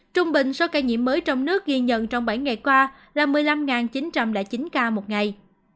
trung bình số ca nhiễm mới trong nước ghi nhận trong bảy ngày qua là một mươi năm chín trăm linh chín ca một ngày